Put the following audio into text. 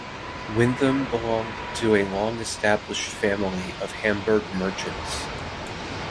Winthem belonged to a long-established family of Hamburg merchants.